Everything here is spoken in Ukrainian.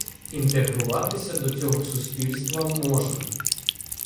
Інтегруватися до цього суспільства можна